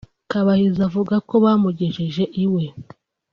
Kabayiza avuga ko bamugejeje iwe